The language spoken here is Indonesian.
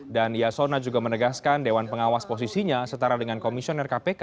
dan yasona juga menegaskan dewan pengawas posisinya setara dengan komisioner kpk